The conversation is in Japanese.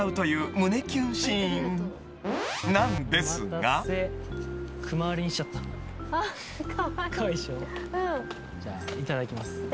いただきます。